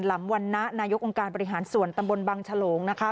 ลำวันนะนายกองค์การบริหารส่วนตำบลบังฉลงนะคะ